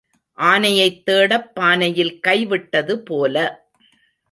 ஆனையைத் தேடப் பானையில் கை விட்டது போல.